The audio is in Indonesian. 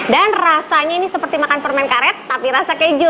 dan rasanya ini seperti makan permen karet tapi rasa keju